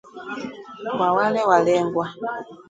Kwa wale walengwa